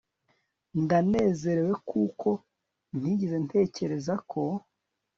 Ndanezerewe kuko ntigeze ntekereza ko